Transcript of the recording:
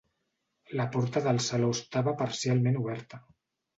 La porta del saló estava parcialment oberta.